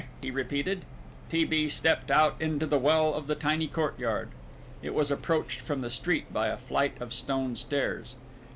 he repeated. T. B. stepped out into the well of the tiny courtyard. It was approached from the street by a flight of stone stairs.